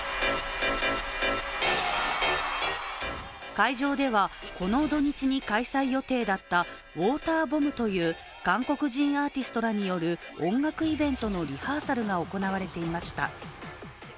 会場ではこの土日に開催予定だったウォーターボムという韓国人アーティストらによる音楽イベントのリハーサルが行われていました。